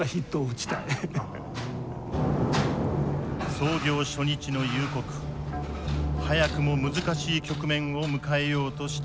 操業初日の夕刻早くも難しい局面を迎えようとしていた。